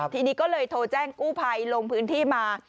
ทีนี้ก็เลยโทรแจ้งกู้ภัยลงพื้นที่มา